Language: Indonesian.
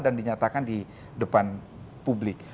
dan dinyatakan di depan publik